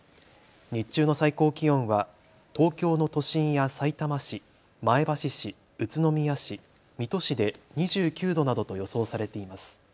日中の最高気温は東京の都心やさいたま市、前橋市、宇都宮市、水戸市で２９度などと予想されています。